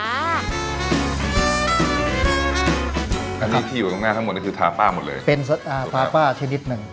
อันนี้ที่อยู่ตรงหน้าทั้งหมดนี่คือทาป้าหมดเลยเป็นทาป้าชนิดหนึ่ง